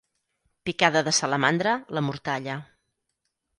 Picada de salamandra, la mortalla.